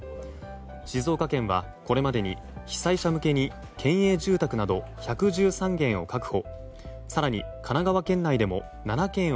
静岡県は、これまでに被災者向けに県営住宅など１１３軒を確保。